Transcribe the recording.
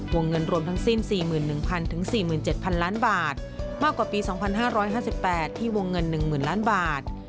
วงเงินรวมทั้งสิ้น๔๑๐๐๔๗๐๐ล้านบาทมากกว่าปี๒๕๕๘ที่วงเงิน๑๐๐๐ล้านบาท